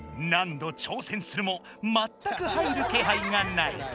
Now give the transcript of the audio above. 何度挑戦するもまったく入るけはいがない。